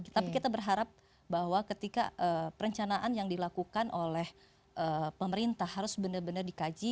tapi kita berharap bahwa ketika perencanaan yang dilakukan oleh pemerintah harus benar benar dikaji